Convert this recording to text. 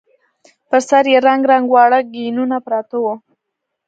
پر سر يې رنګ رنګ واړه ګېنونه پراته وو.